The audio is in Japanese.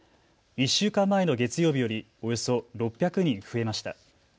１週間前の月曜日よりおよそ６００人増えました。